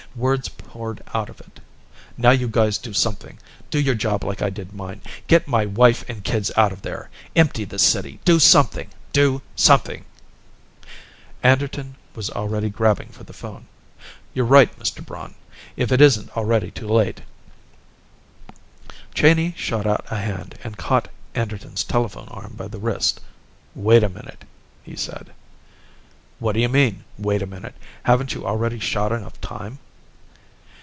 Words poured out of it. "Now you guys do something, do your job like I did mine get my wife and kids out of there empty the city do something, do something!" Anderton was already grabbing for the phone. "You're right, Mr. Braun. If it isn't already too late " Cheyney shot out a hand and caught Anderton's telephone arm by the wrist. "Wait a minute," he said. "What d'you mean, 'wait a minute'? Haven't you already shot enough time?"